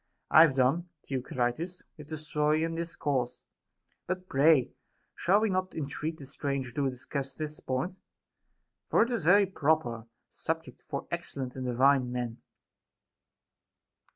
I have done, Theocritus, with the story and discourse ; but pray, shall Ave not entreat the stranger to discuss this point ] For it is a very proper subject for excellent and divine men.